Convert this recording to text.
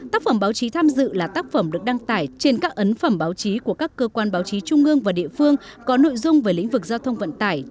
tác phẩm báo chí tham dự là tác phẩm được đăng tải trên các ấn phẩm báo chí của các cơ quan báo chí trung ương và địa phương có nội dung về lĩnh vực giao thông vận tải